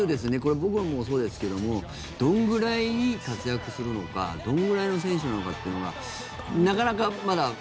僕でもそうですけどどのくらい活躍するのかどのくらいの選手なのかっていうのが、なかなかまだ。